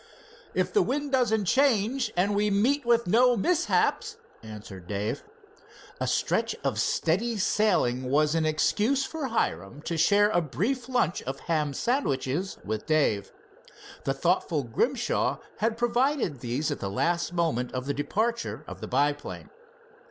"If the wind doesn't change and we meet with no mishaps," answered Dave. A stretch of steady sailing was an excuse for Hiram to share a brief lunch of ham sandwiches with Dave. The thoughtful Grimshaw had provided these at the last moment of the departure of the biplane.